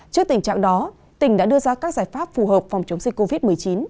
trước tình trạng đó tỉnh đã đưa ra các giải pháp phù hợp phòng chống dịch covid một mươi chín